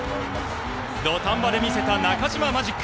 土壇場で見せた中嶋マジック。